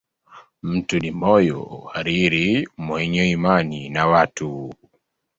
Mtu ni moyo hariri, mwenye imani na watu